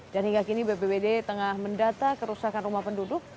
dan hingga kini bppd tengah mendata kerusakan rumah penduduk